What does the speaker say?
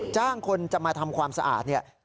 จ้างคนจะมาทำความสะอาดเนี่ย